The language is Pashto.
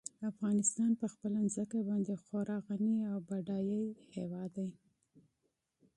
افغانستان په خپله ځمکه باندې خورا غني او بډای هېواد دی.